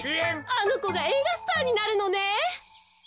あのこがえいがスターになるのね。